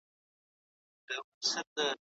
توند ږغ زړه ماتوي